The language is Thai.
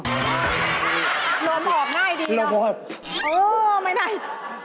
โหลดผอบง่ายดีเหรอโอ้โฮไม่น่ายาก